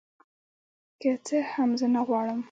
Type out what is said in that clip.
که څه هم زه نغواړم